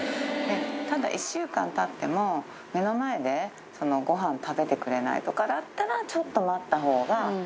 ただ、１週間たっても、目の前でごはん食べてくれないとかだったら、ちょっと待ったほうが。